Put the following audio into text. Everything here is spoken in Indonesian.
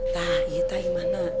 nah yeta gimana